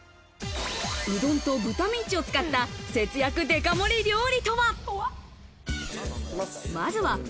うどんと豚ミンチを使った節約デカ盛り料理とは？